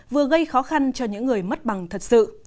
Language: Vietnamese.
vừa gây khó khăn cho những người mất bằng thật sự